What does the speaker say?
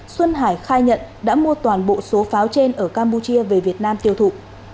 xuân hải khai nhận đã mua toàn bộ số pháo trên ở campuchia về việt nam tiêu thụ